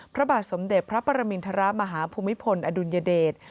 พระบาทสมเด็จพระปรมินทรมาฮภูมิพลอดุลยเดช